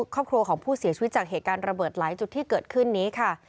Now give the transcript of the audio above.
ครอบครัวของผู้เสียชีวิตจากเหตุการณ์ระเบิดหลายจุดที่เกิดขึ้นนี้ค่ะ